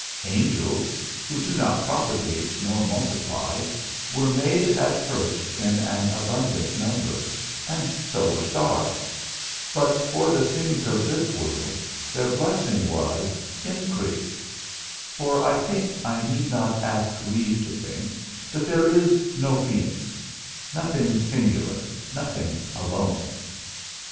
Angels, who do not propagate nor multiply, were made at first in an abundant number, and so were stars; but for the things of this world, their blessing was, Increase; for I think, I need not ask leave to think, that there is no phoenix; nothing singular, nothing alone.